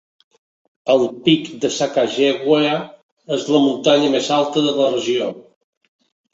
El pic de Sacajawea és la muntanya més alta de la regió.